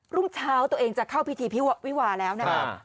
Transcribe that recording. รุ่งเช้าตัวเองจะเข้าพิธีวิวาแล้วนะครับ